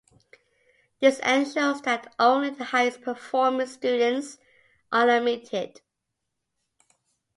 This ensures that only the highest-performing students are admitted.